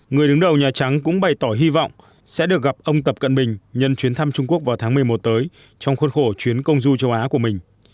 người đứng đầu nhà trắng cũng bày tỏ hy vọng sẽ được gặp ông tập cận bình nhân chuyến thăm trung quốc vào tháng một mươi một tới trong khuôn khổ chuyến công du châu á của mình